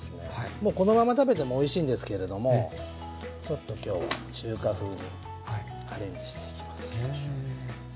もうこのまま食べてもおいしいんですけれどもちょっと今日は中華風にアレンジしていきます。